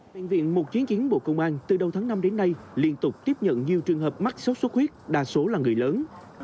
bệnh viện mục chiến kiến bộ công an từ đầu tháng năm đến nay liên tục tiếp nhận nhiều trường hợp mắc sốt xuất huyết đa số là người lớn